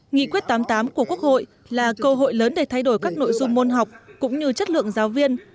nghị quyết tám mươi tám của quốc hội là cơ hội lớn để thay đổi các nội dung môn học cũng như chất lượng giáo viên